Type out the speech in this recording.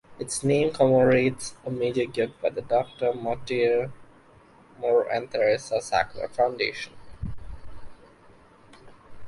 Its name commemorates a major gift by The Doctor Mortimer and Theresa Sackler Foundation.